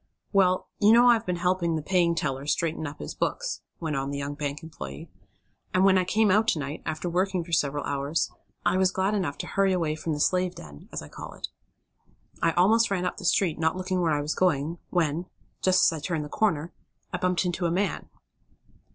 "Well, you know I've been helping the paying teller straighten up his books," went on the young bank employee, "and when I came out to night, after working for several hours, I was glad enough to hurry away from the 'slave den,' as I call it. I almost ran up the street, not looking where I was going, when, just as I turned the corner, I bumped into a man."